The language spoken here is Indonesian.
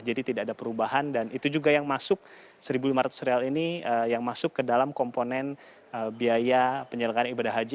jadi tidak ada perubahan dan itu juga yang masuk rp satu lima ratus ini yang masuk ke dalam komponen biaya penyelenggaran ibadah haji